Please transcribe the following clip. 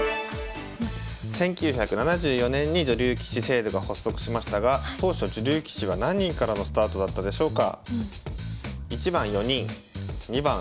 １９７４年に女流棋士制度が発足しましたが当初女流棋士は何人からのスタートだったでしょうか。